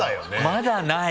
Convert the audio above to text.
「まだない」